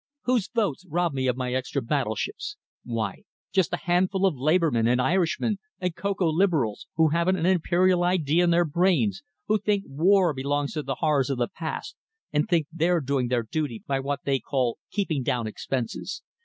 Whose votes rob me of my extra battleships? Why, just a handful of Labour men and Irishmen and cocoa Liberals, who haven't an Imperial idea in their brains, who think war belongs to the horrors of the past, and think they're doing their duty by what they call 'keeping down expenses.'